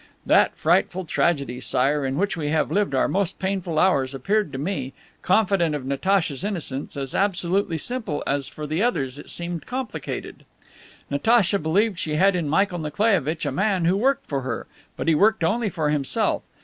That frightful tragedy, Sire, in which we have lived our most painful hours, appeared to me, confident of Natacha's innocence, as absolutely simple as for the others it seemed complicated. Natacha believed she had in Michael Nikolaievitch a man who worked for her, but he worked only for himself.